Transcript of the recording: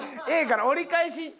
ええから折り返し。